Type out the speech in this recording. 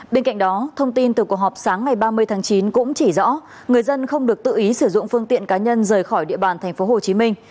bên cạnh đó thông tin từ cuộc họp sáng ngày ba mươi tháng chín cũng chỉ rõ người dân không được tự ý sử dụng phương tiện cá nhân rời khỏi địa bàn tp hcm